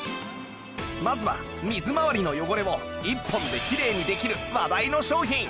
まずは水回りの汚れを一本できれいにできる話題の商品